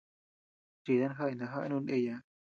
Chidan jañ najaʼa nuku ndeyaa.